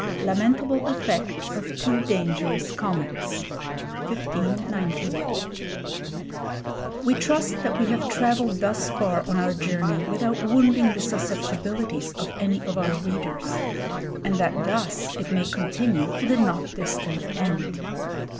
'Lamentable Effect of Two Dangerous Comets,' 1591. We trust that we have travelled thus far on our journey without wounding the susceptibilities of any of our readers, and that thus it may continue to the not distant end.